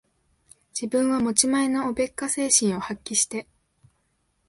自分は持ち前のおべっか精神を発揮して、